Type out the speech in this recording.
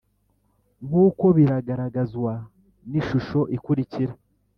nkuko biragaragazwa n’ishusho ikurikira